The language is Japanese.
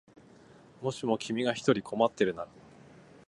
もしも君が一人困ってるなら